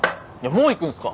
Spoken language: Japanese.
もう行くんですか？